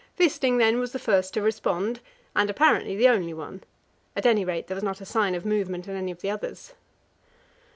Wisting, then, was the first to respond, and apparently the only one; at any rate, there was not a sign of movement in any of the others.